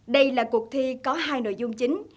đây là cuộc thi có hai nội dung chính